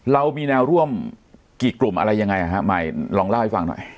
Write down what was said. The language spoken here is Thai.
เรามีแนวร่วมกี่กลุ่มอะไรยังไงฮะใหม่ลองเล่าให้ฟังหน่อย